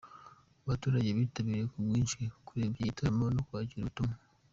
Abaturage bitabiriye ku bwinshi kureba iki gitaramo no kwakira ubutumwa.